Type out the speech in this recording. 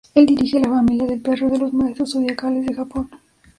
El dirige la familia del Perro de los Maestros Zodiacales de Japón.